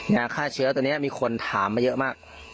ยาฆ่าเชื้อตัวนี้มีคนถามมาเยอะมาก